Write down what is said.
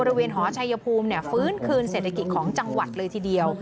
หอชัยภูมิฟื้นคืนเศรษฐกิจของจังหวัดเลยทีเดียว